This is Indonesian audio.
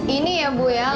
ini ya bu ya lentok tanjung